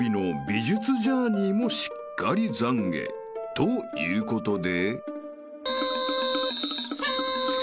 ［ということで］